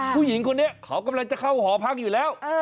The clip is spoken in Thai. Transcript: ผู้หญิงคนนี้เขากำลังจะเข้าหอพักอยู่แล้ว